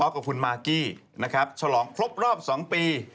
ก็อย่างนี้